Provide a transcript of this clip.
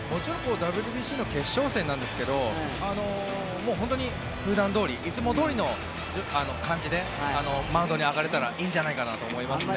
ＷＢＣの決勝戦なんですけど本当に普段どおりいつもどおりの感じでマウンドに上がれたらいいんじゃないかなと思いますね。